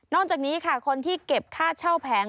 จากนี้ค่ะคนที่เก็บค่าเช่าแผง